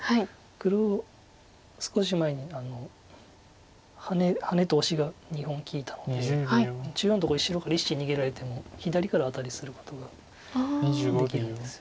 黒少し前にハネとオシが２本利いたので中央のとこ白から１子逃げられても左からアタリすることができるんです。